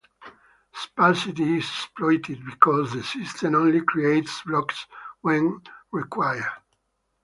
Sparsity is exploited because the system only creates blocks when required.